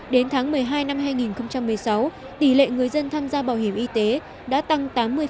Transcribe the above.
đến tháng một mươi hai năm hai nghìn một mươi sáu tỷ lệ người dân tham gia bảo hiểm y tế đã tăng tám mươi